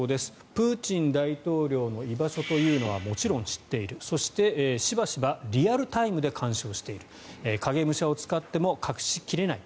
プーチン大統領の居場所というのはもちろん知っているそして、しばしばリアルタイムで監視をしている影武者を使っても隠し切れない